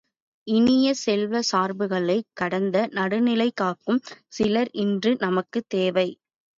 இனிய செல்வ சார்புகளைக் கடந்த நடுநிலை காக்கும் சிலர் இன்று நமக்குத் தேவை.